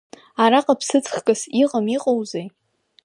Араҟа ԥсыӡ хкыс иҟам иҟоузеи.